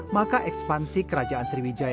maka ekspansi kerajaan sriwijaya